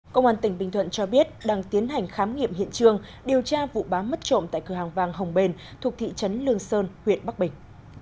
công an tỉnh bình thuận cho biết đang tiến hành khám nghiệm hiện trường điều tra vụ bám mất trộm tại cửa hàng vàng hồng bền thuộc thị trấn lương sơn huyện bắc bình